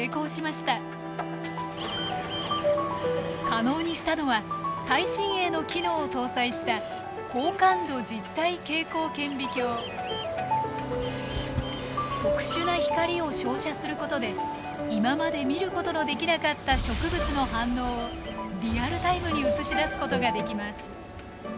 可能にしたのは最新鋭の機能を搭載した特殊な光を照射することで今まで見ることのできなかった植物の反応をリアルタイムに映し出すことができます。